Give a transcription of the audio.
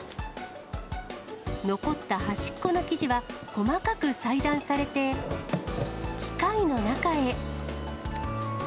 残った端っこの生地は細かく裁断されて、機械の中へ。